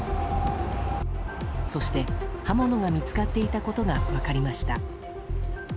そして刃物が見つかっていたことが分かりました。